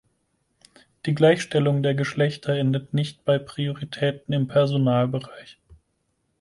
Die Gleichstellung der Geschlechter endet nicht bei Prioritäten im Personalbereich.